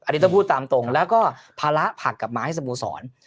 อันนี้ต้องพูดตามตรงแล้วก็ภาระผลักกลับมาให้สโมสร